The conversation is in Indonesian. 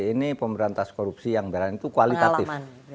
ini pemberantas korupsi yang berani itu kualitatif